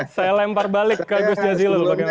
saya lempar balik ke gus jazil dulu